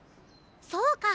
そうか。